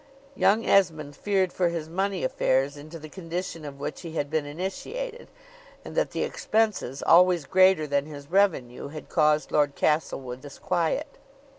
Young Esmond feared for his money affairs, into the condition of which he had been initiated; and that the expenses, always greater than his revenue, had caused Lord Castlewood disquiet.